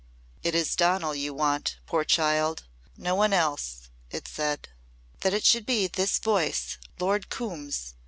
"It is Donal you want, poor child no one else," it said. That it should be this voice Lord Coombe's!